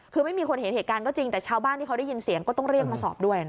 คือไม่มีคนเห็นเหตุการณ์ก็จริงแต่ชาวบ้านที่เขาได้ยินเสียงก็ต้องเรียกมาสอบด้วยนะคะ